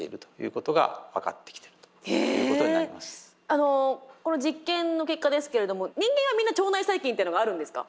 あのこの実験の結果ですけれども人間はみんな腸内細菌っていうのがあるんですか？